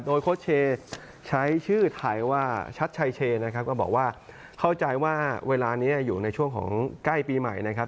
โดยโค้ชเชย์ใช้ชื่อไทยว่าชัดชัยเชนะครับก็บอกว่าเข้าใจว่าเวลานี้อยู่ในช่วงของใกล้ปีใหม่นะครับ